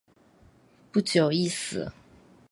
不久亦死。